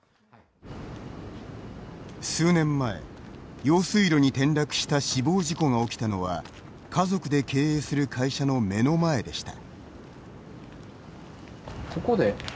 数年前、用水路に転落した死亡事故が起きたのは家族で経営する会社の目の前でした。